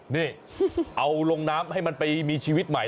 นี่เอาลงน้ำให้มันไปมีชีวิตใหม่